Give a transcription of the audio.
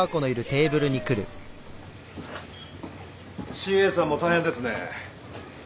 ＣＡさんも大変ですね。